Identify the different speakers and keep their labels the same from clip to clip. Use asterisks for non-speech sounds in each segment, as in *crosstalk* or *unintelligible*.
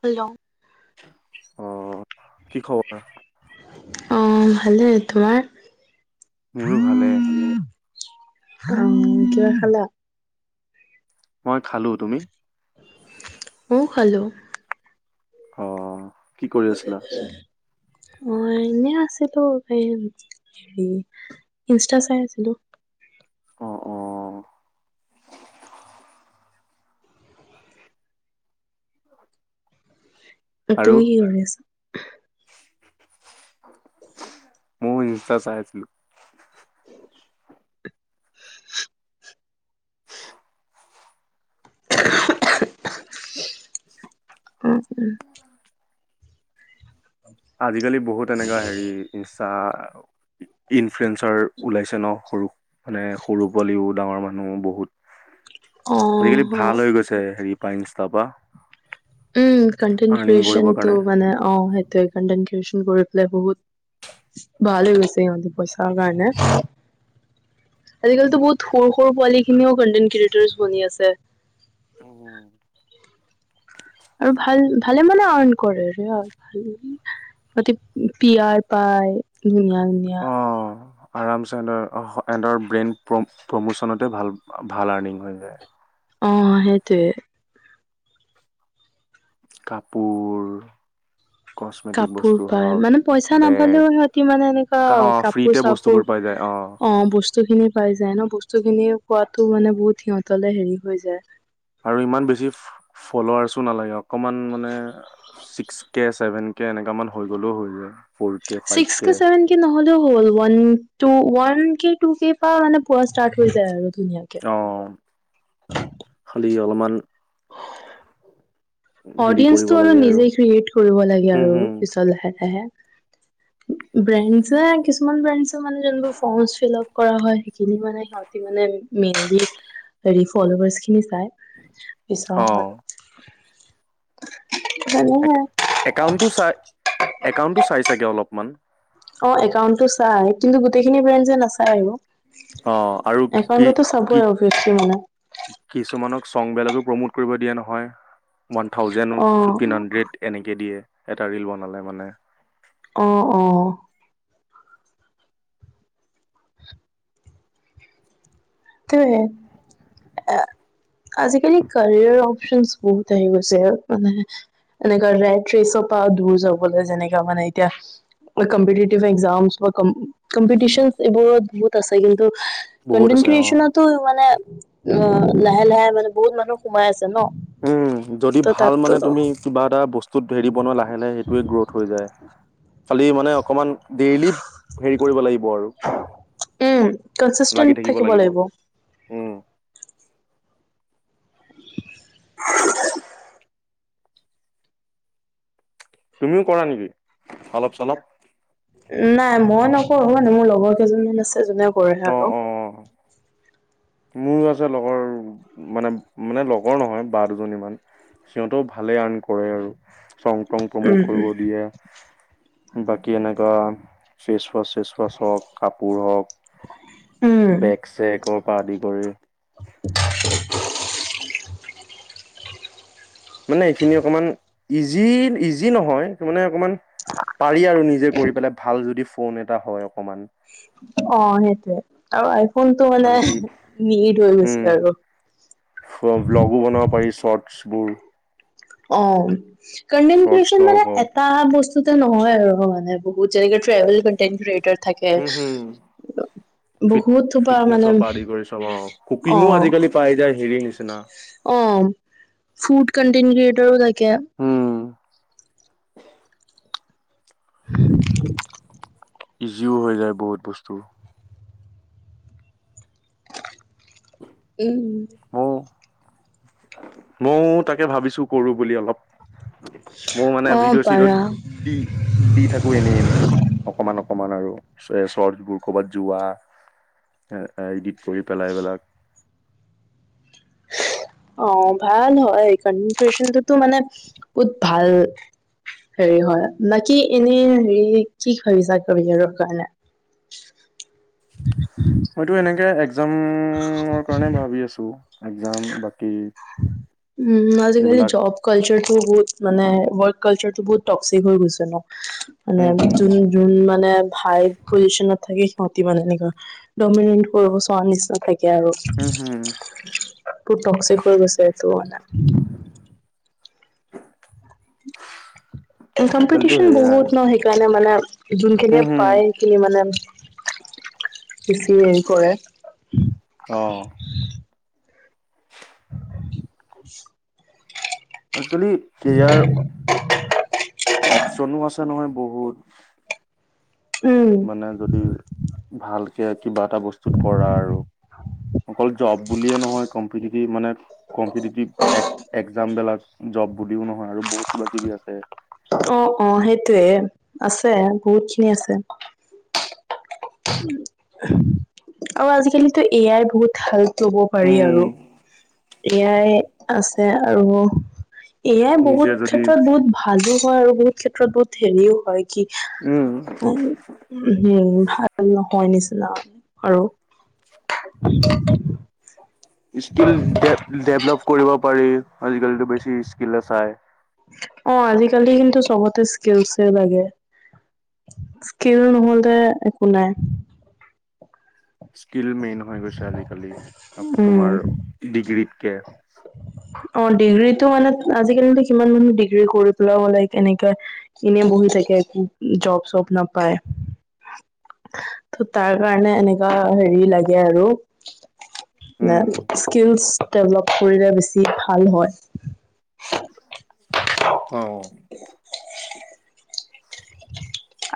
Speaker 1: হলং
Speaker 2: অ কি খবৰ
Speaker 1: অ ভালেই তোমাৰ
Speaker 2: মোৰো ভালে।
Speaker 1: *unintelligible* অ কিবা খালা
Speaker 2: মই খালো তুমি
Speaker 1: মইও খালো
Speaker 2: অ কি কৰি আছিলা
Speaker 1: অ এনে আছিলো এই হেৰি ইনষ্টা চাই আছিলো
Speaker 2: অ', অ', আৰু?
Speaker 1: তুমি কি কৰি আছা
Speaker 2: মইও ইনষ্টা চাই আছিলো
Speaker 1: উম উম
Speaker 2: আজিকালি বহুত এনেকা হেৰি ইনষ্টা ইনফ্লুৱেনচাৰ ওলাইছে ন সৰু মানে সৰু পোৱালিও ডাঙৰ মানুহ বহুত আজিকালি
Speaker 1: অ'
Speaker 2: ভাল হৈ গৈছে হেৰি *unintelligible* তাপা?
Speaker 1: উম, কণ্টেন ক্ৰিয়েচনটো মানে, অ'! সেইটোৱে কণ্টেন টিউচন কৰি পেলাই বহুত ভালেই হৈছে সিহঁতি, পইচাৰ কাৰনে। আজিকালিটো, বহুত সৰু, সৰু পোৱালি খিনিও কণ্টেণ্ট -ক্ৰিয়েটৰ্চ বনি আছে।
Speaker 2: উম!
Speaker 1: আৰু ভাল, ভালে মানে, আৰ্ণ কৰে আৰু হেৰি সিহঁতে টিআৰ পায় ধুনীয়া, ধুনীয়া!
Speaker 2: অ'। আৰামছে সিহঁতৰ, সিহঁতৰ ব্ৰেইন প্ৰমোচনতে ভাল, ভাল আৰ্নিং হৈ যায়।
Speaker 1: অ'! সেইটোৱে।
Speaker 2: কাপোৰ কচমেটিক
Speaker 1: কাপোৰ
Speaker 2: বস্তু
Speaker 1: পাই,
Speaker 2: হওক,
Speaker 1: মানে, পইচা
Speaker 2: বেগ
Speaker 1: নাপালেও সিহঁতি মানে, এনেকুৱা
Speaker 2: কা- অ',
Speaker 1: কাপোৰ
Speaker 2: ফ্ৰীতে
Speaker 1: চাপোৰ
Speaker 2: বস্তুবোৰ পাই যায়
Speaker 1: অ'! বস্তু খিনি পাই যায় ন'। বস্তু খিনি পোৱাতো
Speaker 2: উম,
Speaker 1: মানে, বহুত সিহঁত হেৰি হৈ যায়।
Speaker 2: আৰু ইমান বেছি ফ'ল'ৱাৰ্ছো নালাগে অকমান মানে ছিক্স কে ছেভেন কে এনেকামান হৈ গ'লেও হৈ যায়। ফ'ৰ কে ফাইভ
Speaker 1: চিক্স কে, ছেভেন কে ন হ'লেও হ'ল। ওৱান টু ওৱান কে, টু কে পৰা মানে, পোৱা ষ্টাৰ্ট হৈ যায় আৰু ধুনীয়াকে।
Speaker 2: অ'! খালি অলপমান উম! কৰিব
Speaker 1: অডিয়েন্সতো আৰু
Speaker 2: লাগে
Speaker 1: নিজে ক্ৰিয়েট কৰিব লাগে
Speaker 2: উম,
Speaker 1: আৰু
Speaker 2: হুম,
Speaker 1: পিছত লাহে, লাহে। ব্ৰেণ্ডজে, কিছুমান ব্ৰেণ্ডজে, ফৰ্মচ ফিল্লাপ কৰা হয়। সেইখন মানে, সিহঁতি মেইনলি হেৰি ফ'ল'ৱাৰ্ছ খিনি চাই। পিছত
Speaker 2: অ',
Speaker 1: মানে
Speaker 2: একাউণ্টটো, চাই একাউণ্টটো চাই চাগে অলপমান?
Speaker 1: অ'! একাউণ্টটো চাই। কিন্তু, গোটেইখিনি ব্ৰেণ্ডজে নাচায় আৰু।
Speaker 2: অ', আৰু কি
Speaker 1: একাউন্টটো ত'
Speaker 2: কি
Speaker 1: চাবই অবিয়াছলী মানে।
Speaker 2: কি- কিছুমানক চং বিলাকো প্ৰমোট কৰিব দিয়ে নহয়। ওৱান থাউজেণ্ড
Speaker 1: অ
Speaker 2: ফিফটিন হাণ্ড্ৰেড এনেকৈ দিয়ে। এটা ৰীল বনালে মানে।
Speaker 1: অ'! অ'! সেইটোৱে। আজিকালি, কেৰিয়াৰ অপচন বহুত আহি গৈছে মানে, এনেকা ৰাইট ৰেচৰ পৰা দূৰ যাবলৈ যেনেকা মানে, এতিয়া ক'ম্পিটেটিভ এক্সামছ, কম্পিটিছন এইবোৰত বহুত আছে। কিন্তু
Speaker 2: বহুত আছে অ'!
Speaker 1: তোমাৰতো মানে অ'! লাহে লাহে মানে, বহুত মানুহ সোমাই আছে ন'।
Speaker 2: উম! যদি
Speaker 1: ত
Speaker 2: ভাল
Speaker 1: তাত
Speaker 2: মানে, তুমি কিবা এটা বস্তুত হেৰি বনোৱা লাহে লাহে সেইটোৱে গ্ৰথ হৈ যায়। খালি মানে অকমান ডেইলি হেৰি কৰিব লাগিব আৰু লাগি থাকিব লাগিব। উম!
Speaker 1: *unintelligible*
Speaker 2: তুমিও কৰা নেকি অলপ চলপ
Speaker 1: নাই মই নক সৰু মানে মোৰ লগৰ কেইজনমান আছে যোনে কৰে
Speaker 2: অ',
Speaker 1: আৰু
Speaker 2: অ', মোৰ আছে লগৰ মানে মানে লগৰ নহয় বা দুজনী মান সিহঁতেও ভালে আৰ্ন কৰে আৰু চং টং প্ৰমোট
Speaker 1: উম উম,
Speaker 2: কৰিব দিয়ে বাকী এনেকুৱা ফেচৱাছ ফেচৱাছ হওক কাপোৰ হওক
Speaker 1: উম
Speaker 2: বেগ চেকৰ পৰা আদি কৰি মানে এইখিনি অকণমান ইজি ইজি নহয় মানে অকণমান পাৰি আৰু নিজে কৰি পেলাই ভাল যদি ফোন এটা হয় অকমান
Speaker 1: অ সেইটোয়ে আৰু ফোনটো মানে
Speaker 2: আনকি
Speaker 1: নিট হৈ গৈছে আৰু
Speaker 2: বৰ
Speaker 1: অ কণ্ডমিকন
Speaker 2: ব্লগ
Speaker 1: মানে
Speaker 2: হওক
Speaker 1: এটা হ বস্ত *unintelligible* নহয় আৰু মানেৰ *unintelligible* ত যেনেকে ট্ৰেভেল কনটেন ক্ৰিয়েটাৰ থাকে
Speaker 2: হম হম ফিট
Speaker 1: বহুতোপা মানে
Speaker 2: ফিটনেছৰ পৰা আদি কৰি চব অ
Speaker 1: অ *unintelligible*
Speaker 2: বিছনা
Speaker 1: অ ফুড কণ্টেন ক্ৰিয়েটৰ থ কে
Speaker 2: উম *inaudible*
Speaker 1: *inaudible*
Speaker 2: ইজিও হৈ যায় বহুত বস্তু
Speaker 1: উম
Speaker 2: ময়ও তাকে ভাবিছো কৰো বুলি অলপ মই মানে
Speaker 1: অ
Speaker 2: ভিডিঅ' চিটত
Speaker 1: পাৰা।
Speaker 2: দি দি থাকো এনেই এনেই অকমান অ অকমান আৰু শৰ্টছবোৰ ক'বাত যোৱা এ এডট কৰি পেলাই এইবিলাক
Speaker 1: অ ভাল হয় কনটেনতো মানে বহুত ভাল হেৰি হয় বাকি এনে হেৰি কি ভাবিছা কেৰীয়াৰৰ কাৰণে *unintelligible*
Speaker 2: মইটো এনেকে যামৰ কাৰণে ভাবি আছোঁ *unintelligible* এ্জাম বী *unintelligible*
Speaker 1: উম আজি কালি
Speaker 2: এইবিলাক
Speaker 1: জব কালচাৰটো বহুত *unintelligible* মানে ৱৰ্ড কালচাৰটো বহুত টক্সিক হৈ গৈছে ন মানে
Speaker 2: উম হুম
Speaker 1: যোন যোন মানে ভাই পজিচনত *unintelligible* থাকে সিহঁতি এনেকুৱা দমিনিত কৰিব চাও নিশ্চয় থাক। থাকে আৰু
Speaker 2: উম হুম
Speaker 1: ফুত থক্সিক হৈ গৈছেটো এটো মানে ইনকাম
Speaker 2: আজিকালিতো
Speaker 1: কম্পিটিচন
Speaker 2: সেয়াই
Speaker 1: বহুত
Speaker 2: আৰু
Speaker 1: ন সেইকাৰণে মানে
Speaker 2: উম
Speaker 1: যোনখিনিয়ে
Speaker 2: হুম
Speaker 1: পায় সেইখিনিয়ে মানে বেছি সেই কৰে।
Speaker 2: অ
Speaker 1: *inaudible*
Speaker 2: একচুৱেলি কেৰিয়াৰ অপচনো আছে নহয়। বহুত
Speaker 1: উম,
Speaker 2: মানে যদি ভাল কে কিবা এটা বস্তুত কৰা আৰু অকল জব বুলিয়ে নহয় কম্পিটিটিভ মানে কম্পিটিটিভ এক এক্সযাম বেলাক জব বুলিও নহয় আৰু বহুত কিবা কিবি আছে।
Speaker 1: অ অ সেইটোয়ে আছে বহুত খিনি আছে। আৰু আজি কালিতো এ য়াই বহুত ভাল। লব পাৰি আৰু
Speaker 2: উম
Speaker 1: এ য়াই আছে আৰু এয়াই বহুত
Speaker 2: নিজে যদি
Speaker 1: ক্ষেত্ৰত বহুত ভালো হয় আৰু বহুত ক্ষেত্ৰত বহুত হেৰিও হয়। কি
Speaker 2: উম
Speaker 1: এই সেয়ে আৰু ভাল নহয় নিচিনা আৰু
Speaker 2: ইস্কিল ডেভলপ কৰিব পাৰি। আজি কালিটো বেচি ইস্ককিলে চাই
Speaker 1: অ আজিকালি কিন্তু চবতে স্কিলচে লাগে। স্কিল নহলে একো নাই।
Speaker 2: স্কিল মেইন হৈ গৈছে আজিকালি আফ
Speaker 1: উম
Speaker 2: তোমাৰ ডিগ্ৰীতকে
Speaker 1: ডিগ্ৰীতটো মানে আজিকালিটো সিমান ডিগ্ৰী কৰি পেলাইও হলে এনেকে এনে বহি থাকে। জব চব নাপায়, ত তাৰ কাৰণে এনেকা হেৰি লাগে আৰু। *inaudible* না
Speaker 2: উম
Speaker 1: স্কিলচ ডেভলপ কৰিলে বেছ- ভাল হয়
Speaker 2: অ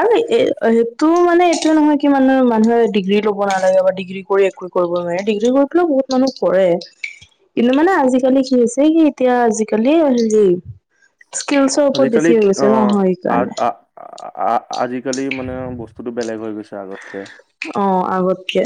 Speaker 1: আৰু এ সেইটো মানে এইটো নহয় কি মানে মানুহে ডিগ্ৰী লব নালাগে বা ডিগ্ৰী কৰি একো কৰিব নোৱাৰে, ডিগ্ৰী কৰি পেলায়ও বহুত মানুহ কৰে। কিন্তু মানে আজিকালি কি হৈছে কি এতিয়া আজিকালি হেৰি স্কিলছৰ ওপৰত
Speaker 2: আজিকালি
Speaker 1: বেছি হৈ
Speaker 2: অ
Speaker 1: গৈছে ন হয়
Speaker 2: আ-
Speaker 1: সেইকাৰণে
Speaker 2: আ- আ আজিকালি মানে বস্তুতটো বেলেগ হৈ গৈছে, আগতকে
Speaker 1: অঁ আগত। কে!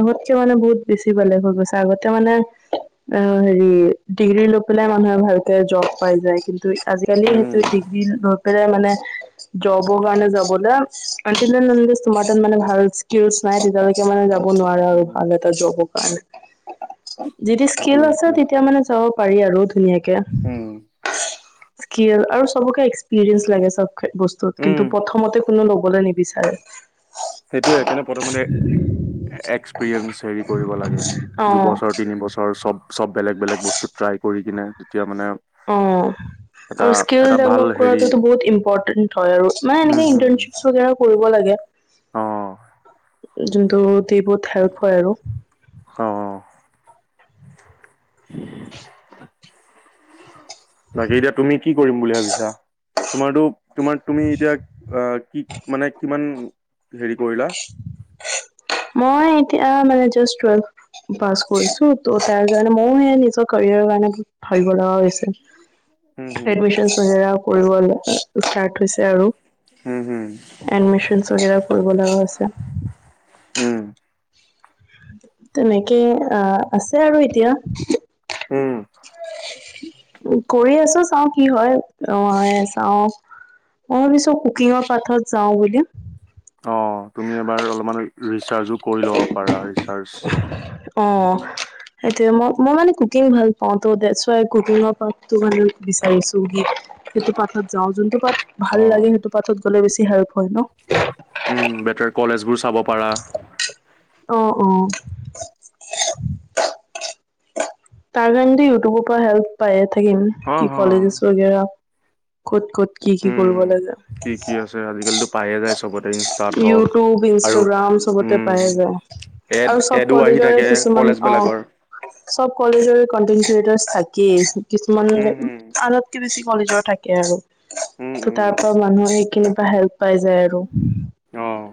Speaker 1: আগতকে মানে বহুত বেছি বেলেগ হৈ গৈছে, আগতে মানে অ হেৰি ডিগ্ৰী লৈ পেলাই মানুহে ভালকে জব পাই যায়, কিন্তু আজিকালি সেইটো
Speaker 2: উম
Speaker 1: দি। লৈ পেলাই মানে জবৰ কাৰণে যাবলৈ আঁ তোমাৰ তাত মানে ভাল নাই তেতিয়ালৈকে মানে যাব নোৱাৰে আৰু
Speaker 2: উম,
Speaker 1: ভাল এটা যবৰ কাৰণে যদি স্কিল
Speaker 2: সেইটোৱে
Speaker 1: আছে
Speaker 2: সেইটোৱে
Speaker 1: তেতিয়া মানে যাব পাৰি আৰু ধুনিয়া কে কে
Speaker 2: উম
Speaker 1: স্কিল আৰু চবকে এক্সপিৰিয়েন্ঞ্চ লাগে চব। বস্তুত কিন্তু
Speaker 2: উম
Speaker 1: প্ৰথমতে কোনো ল'বলৈ নিবিচাৰে।
Speaker 2: সেইটোয়ে কেনেকুৱা। প্ৰথমতে এক্সপিৰিয়েঞ্চ হেৰি কৰিব লাগে
Speaker 1: অ
Speaker 2: দুবছৰ তিনিবছৰ চব চব। বেলেগ বেলেগ বস্তু ট্ৰাইৱ কৰি কিনে তেতিয়া মানে!
Speaker 1: অঁ
Speaker 2: এটা
Speaker 1: আৰু স্কিল
Speaker 2: এটা ভাল
Speaker 1: ডেভলপ
Speaker 2: হেৰি
Speaker 1: কৰাটোতো বহুত ইম্পৰ্টেন্ট হয়। আৰু মানে এনেকে ইন্টাৰশিপ কৰিব লাগে।
Speaker 2: অঁ
Speaker 1: জোনটো গোটেই বহুত হেল্প হয় আৰু
Speaker 2: অ *unintelligible* বাকী এতিয়া তুমি কি কৰিম বুলি ভাবিছা? তোমাৰটো, তোমাৰ তুমি এতিয়া অঁ কি মানে কিমান হেৰি কৰিলা।
Speaker 1: এ মানে জাষ্ট টুয়েল্ভ পাছ কৰিছো ত' তাৰ কাৰণে মইয়ো হে নিজৰ কেৰিয়াৰৰ কাৰণে বহুত ভাবিব লগা
Speaker 2: উম হম
Speaker 1: হৈছিল এডমিশন *unintelligible* কৰিব ষ্টাৰ্ট হৈছে আৰু।
Speaker 2: উম হম
Speaker 1: এডমিচনছাগে *unintelligible* আছে।
Speaker 2: উম।
Speaker 1: তেনেকে আহ আছে আৰু এতিয়া
Speaker 2: উম
Speaker 1: কৰি আছো চাওঁ। কি হয় অঁ চাওঁ অ্ পিছো কুকিঙৰ পাথত যাওঁ বুলি
Speaker 2: অঁ তুমি এইবাৰ অলপমান- ৰিচাৰ্জ কৰি ল'ব পাৰা ৰিচাৰ্জ।
Speaker 1: অঁ সেইটোয়ে। মই, মই মানে কুকিং ভাল পাওঁ। ত' ডেচুয়াই কুকিংঙৰ পাৰ্টটো মানে বিচাৰিছো। সেইটো পাঠত যাওঁ। যোন- *unintelligible* টো পাৰ্ট ভাল
Speaker 2: অ
Speaker 1: লাগে সেইটো পাৰ্টত- বেছি সাৰপ হয় ন।
Speaker 2: উম' বেটাৰ কলেজ বোৰ চাব পাৰা।
Speaker 1: অঁ অঁ তাৰ কাৰণেদি ইউটিউবৰ পৰা হেল্প পায়- থাকিম।
Speaker 2: হ
Speaker 1: কি
Speaker 2: হ
Speaker 1: কলেজেছ *unintelligible* ক'ত, ক'ত কি, কি
Speaker 2: উম
Speaker 1: কৰিব লাগে।
Speaker 2: কি, কি আছে আজি কালিতো পাইয়ে যাই- *unintelligible*
Speaker 1: ইউটিউব, ইনষ্টাগ্ৰাম চবতে
Speaker 2: উম
Speaker 1: পাইে যায়।
Speaker 2: এড
Speaker 1: আৰু চব
Speaker 2: এডো আহি
Speaker 1: কলেজৰে
Speaker 2: থাকে
Speaker 1: কিছুমান
Speaker 2: কলেজ
Speaker 1: অঁ
Speaker 2: বিলাকৰ
Speaker 1: চব কলেজৰে কন্টেনাৰ- থাকেই। কিছুমান
Speaker 2: উম উম
Speaker 1: আনতকৈ বেছি কলেজৰ থাকে আৰু।
Speaker 2: উম
Speaker 1: ত' তাৰ পৰা মানুহৰ- খিনিৰ পৰা হেল্প পাই যায়। আৰু
Speaker 2: অঁ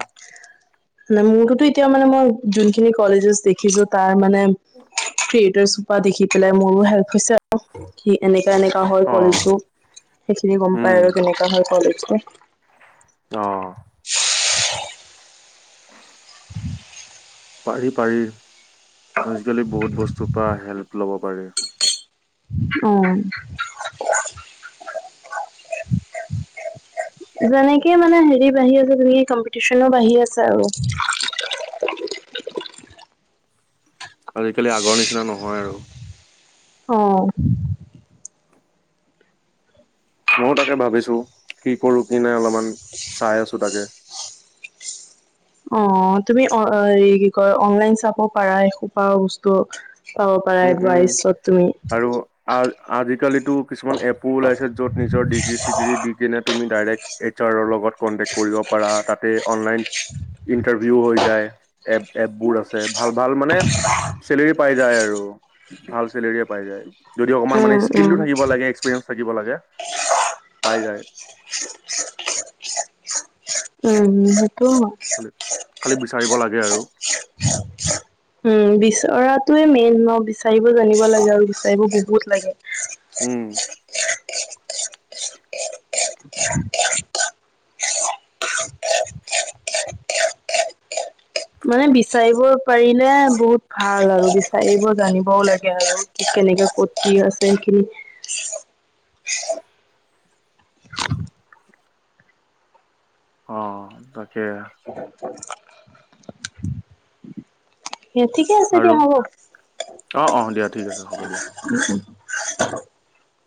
Speaker 1: মানে মোৰতো - এতিয়া মানে মই যোনখিনি কলেজেছ দেখিছো। তাৰ মানে ফ্ৰীটেছ দেখি পেলাই মোৰো হেল্প হৈছে আৰু। কি এনেই- এনেকোৱা হৈ
Speaker 2: অ
Speaker 1: গ'ল টো। সেইখিনি গম
Speaker 2: উম
Speaker 1: পায় আৰু কেনেকোৱা হয়। *inaudible*
Speaker 2: অঁ
Speaker 1: *inaudible*
Speaker 2: পাৰি, পাৰি। আজি-কালি বহুত বস্তুৰ পৰা হেল্প ল'ব- পাৰি।
Speaker 1: অঁ যেনেকে মানে হেৰি বাঢ়ি আছে তেনেকে কম্পিটিচনো বাঢ়ি আছে আৰু।
Speaker 2: আজি-কালি আগৰ নিচিনা নহয় আৰু।
Speaker 1: অঁহ
Speaker 2: মইওঁ তাকে ভাবিছো কি কৰো কি নাই অলপমান চাই আছো তাকে।
Speaker 1: অঁ তুমি কি কয় অনলাইন চাব পাৰা এসোপা বস্তু। পাব পাৰা
Speaker 2: উম উম
Speaker 1: এডভাইছত তুমি।
Speaker 2: কালিটো কিছুমান এপো ওলাইছে। য'ত নিজৰ ডিগ্ৰী- চিগ্ৰী দি কিনে তুমি ডাইৰেক্ট এইচ, আৰৰ লগত কন্টেক্ট কৰিব পাৰা। তা'তে অনলাইন ইন্টাৰভিউ হৈ- যায়। এপ, এপ বোৰ আছে। ভাল, ভাল মানে চেলাৰী পাই- যায় আৰু। ভাল চেলাৰিয়ে পাই যায়। যদি অকণমান মানে
Speaker 1: উম উম
Speaker 2: স্কিলটো থাকিব লাগে। এক্সপিৰিয়েঞ্চ থাকিব লাগে। পাই যায়
Speaker 1: উম। উম।
Speaker 2: খালি খালি বিচাৰিব লাগে আৰু
Speaker 1: উম বিচৰাটোৱয়ে মেইন ন বিচাৰিব জানিব লাগে আৰু বিচাৰিব বহুত লাগে
Speaker 2: উম।
Speaker 1: মানে বিচাৰিব পাৰিলে বহুত ভাল আৰু বিচাৰিব জানিবও লাগে আৰু কেনেকে ক আছে সেইখিনি
Speaker 2: অঁ তাকে
Speaker 1: ত এ ঠিকে আছে
Speaker 2: আৰু
Speaker 1: দিয়া হব।
Speaker 2: অ অ দিয়া ঠিক আছে হ'ব দিয়া
Speaker 1: *inaudible*